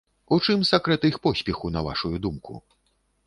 У чым сакрэт іх поспеху, на вашую думку?